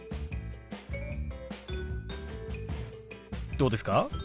どうですか？